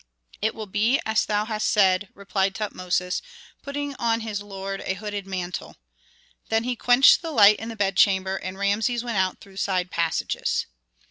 "It will be as thou hast said," replied Tutmosis, putting on his lord a hooded mantle. Then he quenched the light in the bedchamber and Rameses went out through side passages.